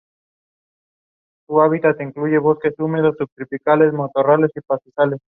Sus camisas blancas sentaban a la perfección con la elasticidad justa.